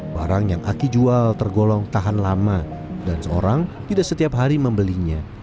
barang yang aki jual tergolong tahan lama dan seorang tidak setiap hari membelinya